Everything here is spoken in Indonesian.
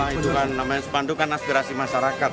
itu kan namanya sepandukan aspirasi masyarakat